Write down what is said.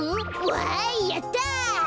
わいやった。